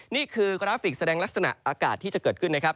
นี่คือกราฟิกแสดงลักษณะอากาศที่จะเกิดขึ้นนะครับ